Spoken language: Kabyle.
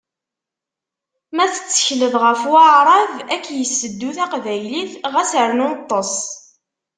Ma tettekleḍ ɣef Waɛrab ad k-yesseddu taqbaylit, ɣas rnu ṭṭes!